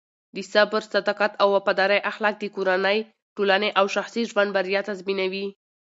د صبر، صداقت او وفادارۍ اخلاق د کورنۍ، ټولنې او شخصي ژوند بریا تضمینوي.